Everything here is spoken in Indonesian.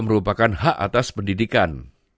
merupakan hak atas pendidikan